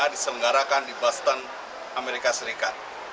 diselenggarakan di boston amerika serikat